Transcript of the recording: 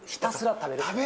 食べる？